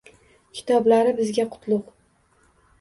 Kitoblari bizga qutlugʼ.